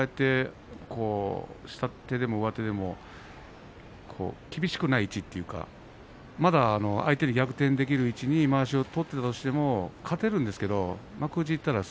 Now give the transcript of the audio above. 下手でも上手でも厳しくない位置というかまだ相手に逆転できる位置にまわしを取ったとしても勝てるんですけども幕内にいったらば